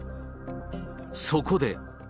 そこで。